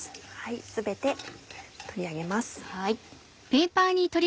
全て取り上げます。